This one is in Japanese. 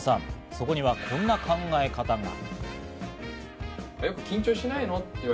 そこにはこんな考え方が。